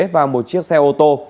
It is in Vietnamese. và một chiếc xe ô tô